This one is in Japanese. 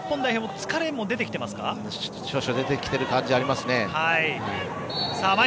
疲れが出てきている感じがありますね。